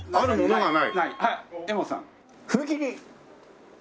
はい。